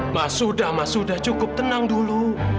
masudah masudah cukup tenang dulu